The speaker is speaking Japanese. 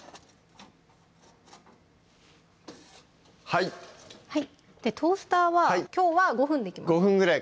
はいトースターはきょうは５分でいきます